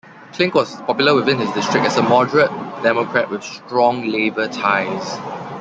Klink was popular within his district as a moderate Democrat with strong labor ties.